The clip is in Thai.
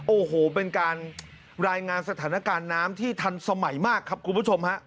โอ้โหเป็นการรายงานสถานการณ์น้ำที่ทันสมัยมากครับคุณผู้ชมฮะ